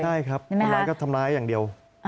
ทำร้ายก็ทำร้ายอย่างเดียว